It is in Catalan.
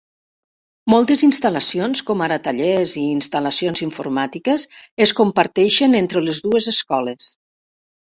Moltes instal·lacions, com ara tallers i instal·lacions informàtiques, es comparteixen entre les dues escoles.